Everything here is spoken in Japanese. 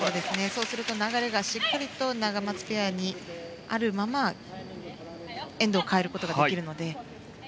そうすると流れがしっかりとナガマツペアにあるままエンドを変えることができるので。